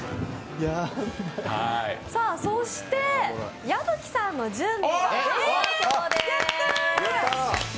そして矢吹さんの準備ができたそうです。